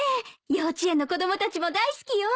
幼稚園の子供たちも大好きよ。